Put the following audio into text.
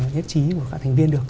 nhất trí của các thành viên được